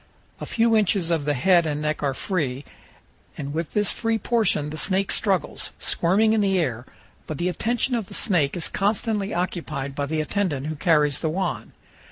A few inches of the head and neck are free, and with this free portion the snake struggles, squirming in the air; but the attention of the snake is constantly occupied by the attendant who carries the wand.